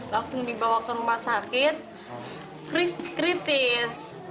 langsung dibawa ke rumah sakit kritis